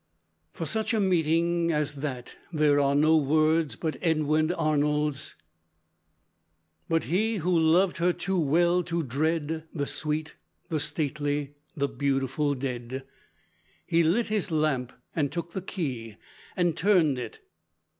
For such a meeting as that there are no words but Edwin Arnold's: "But he who loved her too well to dread The sweet, the stately, the beautiful dead He lit his lamp, and took the key, And turn'd it!